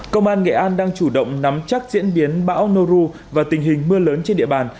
công an nghệ an đang chủ động nắm chắc diễn biến bão noru và tình hình mưa lớn trên địa bàn